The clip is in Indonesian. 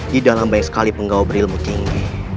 di dalam banyak sekali penggawa berilmu tinggi